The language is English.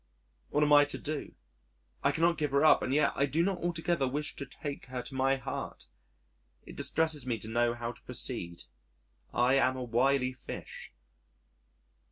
What am I to do? I cannot give her up and yet I do not altogether wish to take her to my heart. It distresses me to know how to proceed. I am a wily fish.